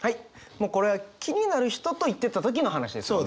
もうこれは気になる人と行ってた時の話ですもんね。